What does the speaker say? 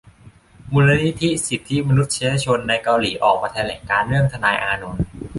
มูลนิธิสิทธิมนุษยชนในเกาหลีออกมาแถลงการณ์เรื่อง ทนายอานนท์